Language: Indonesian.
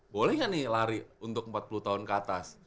boleh nggak nih lari untuk empat puluh tahun ke atas